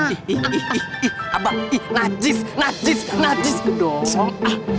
ih ih ih ih ihh najis najis najis kedosong